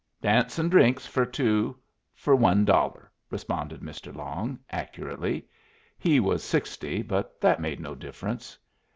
"Dance 'n' drinks fer two fer one dollar," responded Mr. Long, accurately. He was sixty, but that made no difference.